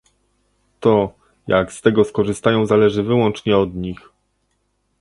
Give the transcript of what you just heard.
To, jak z tego skorzystają, zależy wyłącznie od nich